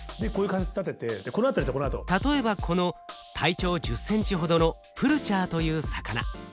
例えばこの体長１０センチほどのプルチャーという魚。